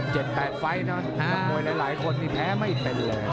๗๘ไฟท์เนาะมันกับมุยหลายคนนี่แพ้ไม่เป็นเลย